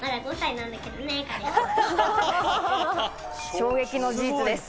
衝撃の事実です。